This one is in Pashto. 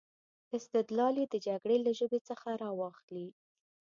استدلال یې د جګړې له ژبې څخه را واخلي.